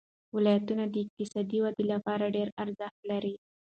ولایتونه د اقتصادي ودې لپاره ډېر ارزښت لري.